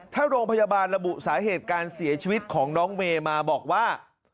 ถ้าโรงพยาบาลระบุสาเหตุการเสียชีวิตของน้องเมย์มาบอกว่า